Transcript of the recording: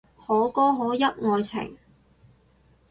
可歌可泣愛情